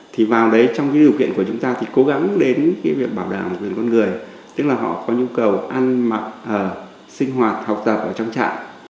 thì vào đấy trong điều kiện của chúng ta thì cố gắng đến việc bảo đảm quyền con người tức là họ có nhu cầu ăn mặc ở sinh hoạt học tập ở trong trại